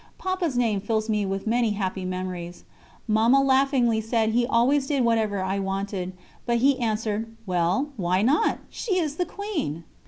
Papa's name fills me with many happy memories. Mamma laughingly said he always did whatever I wanted, but he answered: "Well, why not? She is the Queen!"